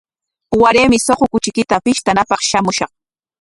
Waraymi suqu kuchiykita pishtanapaq shamushaq.